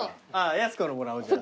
やす子のもらおうじゃあ。